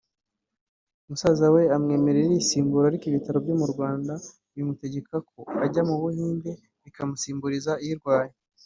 musaza we amwemerera iyisimbura ariko ibitaro byo mu Rwanda bimutegeka ko ajya mu Buhinde bakamusimburiza irwaye